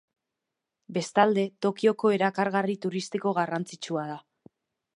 Bestalde, Tokioko erakargarri turistiko garrantzitsua da.